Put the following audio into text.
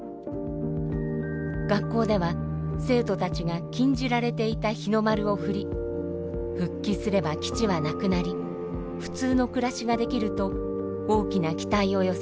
学校では生徒たちが禁じられていた日の丸を振り復帰すれば基地はなくなり普通の暮らしができると大きな期待を寄せました。